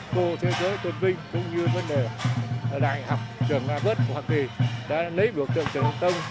cô thế giới tuyên vinh cũng như vấn đề đại học trường nga vất của học kỳ đã lấy được tượng trần nhân tông